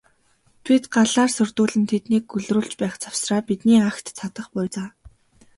Бид галаар сүрдүүлэн тэднийг гөлрүүлж байх завсраа бидний агт цадах буй за.